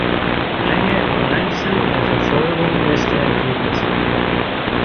Ränge im Einzel und der Verfolgung beste Ergebnisse.